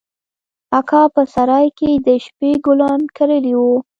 اکا په سراى کښې د شبۍ ګلان کرلي وو.